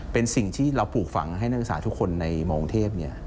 เป็นสิ่งที่เราปลูกฝังให้นักอุตส่าห์ทุกคนในมหาวงเทพเนี่ย